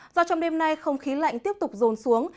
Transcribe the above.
do trong đêm nay không khí lạnh tiếp tục rồn xuống